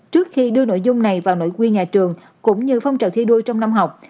trước khi đưa nội dung này vào nội quy nhà trường cũng như phong trào thi đua trong năm học